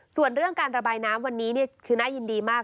ส่วนเรื่องการระบายน้ำวันนี้คือน่ายินดีมาก